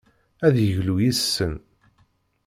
Ad yeglu yis-sen.